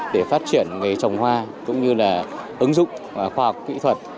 để phát triển về trồng hoa cũng như là ứng dụng khoa học kỹ thuật